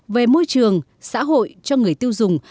về môi trường xã hội cho người tiêu dùng